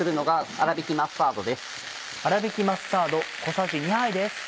あらびきマスタード小さじ２杯です。